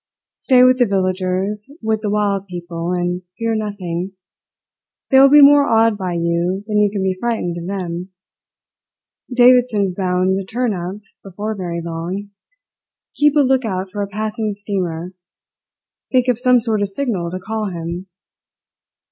Stay with the villagers, with the wild people, and fear nothing. They will be more awed by you than you can be frightened of them. Davidson's bound to turn up before very long. Keep a look out for a passing steamer. Think of some sort of signal to call him."